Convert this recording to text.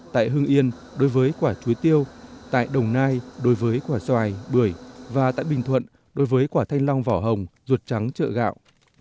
tại hưng yên đối với quả chuối tiêu tại đồng nai đối với quả xoài bưởi và tại bình thuận đối với quả thanh long vỏ hồng ruột trắng trợ gạo